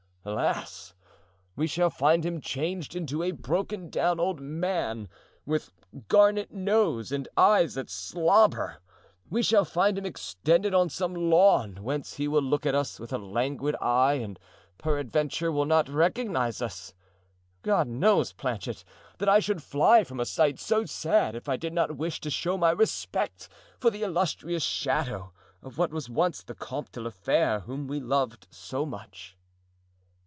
Alas! we shall find him changed into a broken down old man, with garnet nose and eyes that slobber; we shall find him extended on some lawn, whence he will look at us with a languid eye and peradventure will not recognize us. God knows, Planchet, that I should fly from a sight so sad if I did not wish to show my respect for the illustrious shadow of what was once the Comte de la Fere, whom we loved so much."